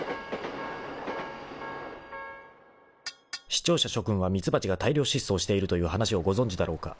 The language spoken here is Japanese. ［視聴者諸君はミツバチが大量失踪しているという話をご存じだろうか？